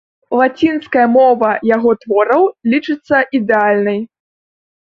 Лацінская мова яго твораў лічыцца ідэальнай.